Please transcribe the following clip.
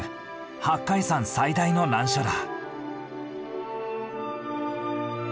八海山最大の難所だ。